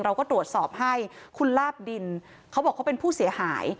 เราก็ตรวจสอบให้คุณลาบดินเขาบอกเขาเป็นผู้เสียหาย